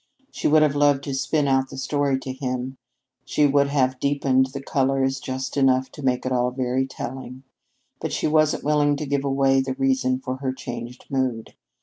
She would have loved to spin out the story to him she could have deepened the colors just enough to make it all very telling. But she wasn't willing to give away the reason for her changed mood.